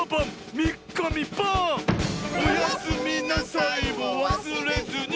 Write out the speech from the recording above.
「おやすみなさいもわすれずに」